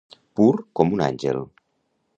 Pur com un àngel.